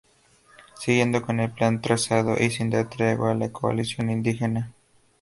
Siguiendo con el plan trazado y sin dar tregua a la coalición indígena.